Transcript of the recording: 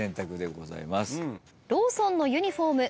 ローソンのユニホーム